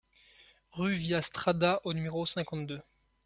Rue Via Strada au numéro cinquante-deux